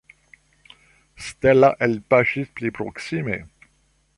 Stella elpaŝis pli proksime.